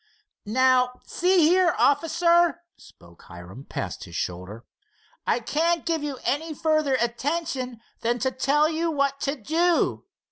"Now, see here, officer," spoke Hiram, past his shoulder, "I can't give you any further attention than to tell you what to do.